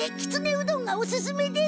うどんがおすすめです。